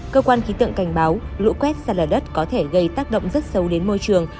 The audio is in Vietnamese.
cơ quan khí tượng cảnh báo lũ quét sạt lở đất có thể gây tác động rất sâu đến môi trường